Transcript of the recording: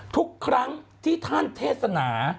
ทุกครั้งที่ท่านเทศนา